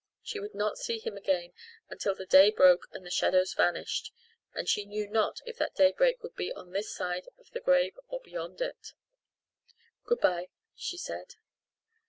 She would not see him again until the day broke and the shadows vanished and she knew not if that daybreak would be on this side of the grave or beyond it. "Good bye," she said.